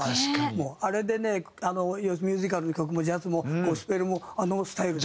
もうあれでねミュージカルの曲もジャズもゴスペルもあのスタイルで。